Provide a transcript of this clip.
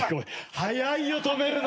早いよ止めるの。